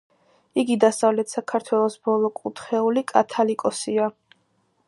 იგი დასავლეთ საქართველოს ბოლო კურთხეული კათალიკოსია.